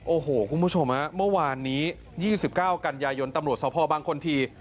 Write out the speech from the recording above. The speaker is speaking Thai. โอ้โหคุณผู้ชมฮะเมื่อวานนี้๒๙กันยายนตำรวจสภบางคนที